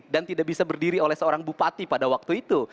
dan tidak bisa berdiri oleh seorang bupati pada waktu itu